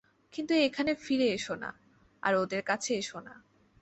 কিন্তু এখানে ফিরে এসো না, আর ওদের কাছে এসো না।